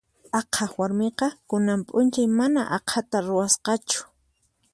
Aqhaq warmiqa kunan p'unchay mana aqhata ruwasqachu.